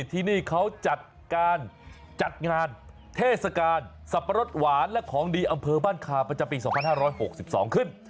ที่นี่เขาจัดการจัดงานเทศกาลสับปะรดหวานและของดีอำเภอบ้านคาประจำปี๒๕๖๒ขึ้น